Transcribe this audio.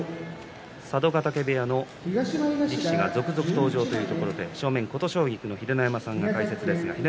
佐渡ヶ嶽部屋の力士が続々登場というところで正面、琴奨菊の秀ノ山さんが解説です。